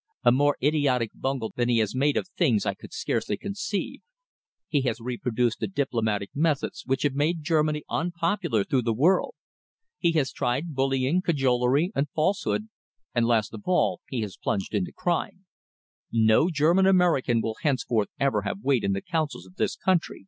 A more idiotic bungle than he has made of things I could scarcely conceive. He has reproduced the diplomatic methods which have made Germany unpopular throughout the world. He has tried bullying, cajolery, and false hood, and last of all he has plunged into crime. No German American will henceforth ever have weight in the counsels of this country.